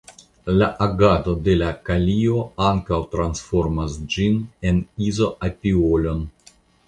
La agado de la kalio ankaŭ transformas ĝin en izoapiolon.